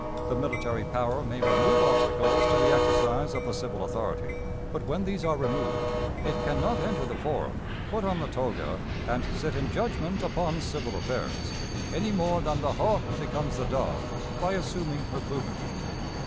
The military power may remove obstacles to the exercise of the civil authority; but, when these are removed, it can not enter the forum, put on the toga, and sit in judgment upon civil affairs, any more than the hawk becomes the dove by assuming her plumage.